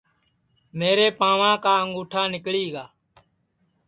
میرے پانٚوا کا انٚگُٹھا نیکݪی گا